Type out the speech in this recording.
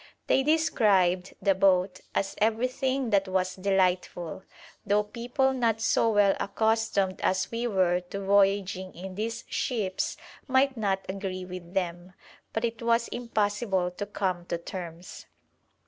They described the boat as everything that was delightful, though people not so well accustomed as we were to voyaging in these ships might not agree with them, but it was impossible to come to terms.